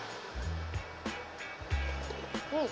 うん！